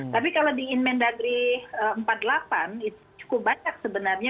tapi kalau di inmen dagri empat puluh delapan itu cukup banyak sebenarnya